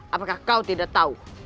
apakah kau tidak tahu